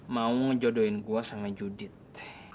mau jodohin gue sama judit